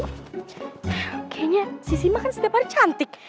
kayaknya sisi mah kan setiap hari cantik